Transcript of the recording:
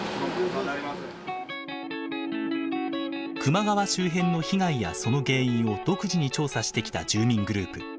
球磨川周辺の被害やその原因を独自に調査してきた住民グループ。